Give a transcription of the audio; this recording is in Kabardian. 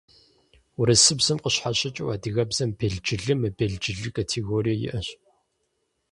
Урысыбзэм къыщхьэщыкӏыу адыгэбзэм белджылы, мыбелджылы категорие иӏэщ.